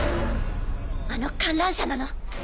あの観覧車なの？